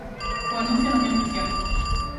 O anuncio non é oficial.